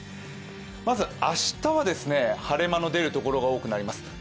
まず明日は、晴れ間の出る所が多くなります。